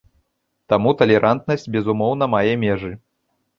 Таму талерантнасць безумоўна мае межы.